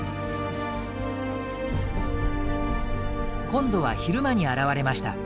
今度は昼間に現れました。